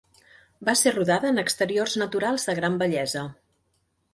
Va ser rodada en exteriors naturals de gran bellesa.